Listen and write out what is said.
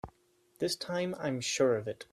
This time I'm sure of it!